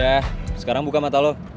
udah sekarang buka mata lo